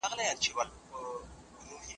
مکناتن د جګړې د پایلو له امله ناامید شو.